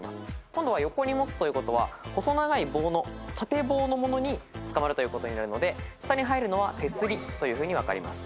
今度は横に持つということは細長い棒の縦棒のものにつかまるということになるので下に入るのは「てすり」というふうに分かります。